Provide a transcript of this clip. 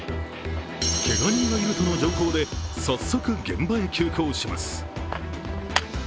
けが人がいるとの情報で、早速現場へ急行します。